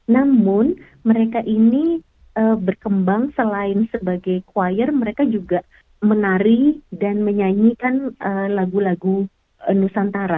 namun mereka ini berkembang selain sebagai choir mereka juga menari dan menyanyikan lagu lagu nusantara